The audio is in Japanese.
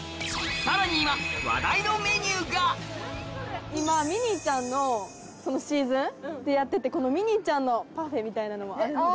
さらに今ミニーちゃんのシーズンってやっててこのミニーちゃんのパフェみたいなのもあるんで。